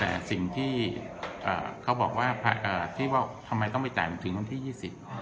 แต่สิ่งที่อ่าเขาบอกว่าอ่าที่ว่าทำไมต้องไปจ่ายถึงวันที่ยี่สิบ